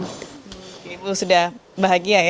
ibu sudah bahagia ya